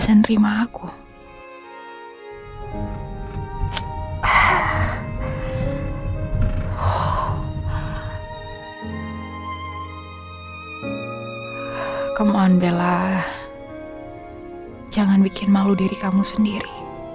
come on bella jangan bikin malu diri kamu sendiri